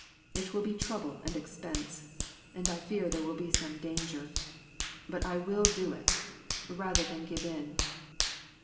It will be trouble and expense, and I fear there will be some danger; but I will do it, rather than give in."